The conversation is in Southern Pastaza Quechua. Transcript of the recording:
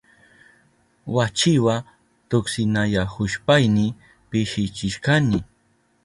Wachiwa tuksinayahushpayni pishichishkani.